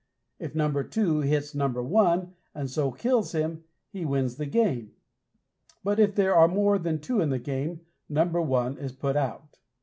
If number two hits number one, and so kills him, he wins the game, but if there are more than two in the game, number one is put out.